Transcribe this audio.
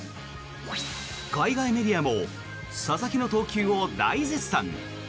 海外メディアも佐々木の投球を大絶賛。